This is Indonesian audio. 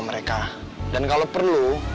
mereka dan kalau perlu